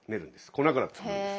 粉から作るんです。